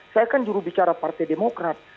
saya kan juru bicara partai demokrat